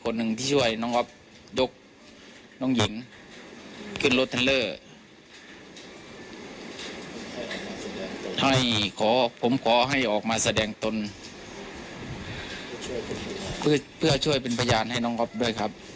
น้องอ๊อฟยกน้องหญิงกึ่งรถทันเลอร์ผมขอให้ออกมาแสดงตนเพื่อช่วยเป็นพยานให้น้องอ๊อฟด้วยครับ